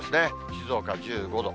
静岡１５度。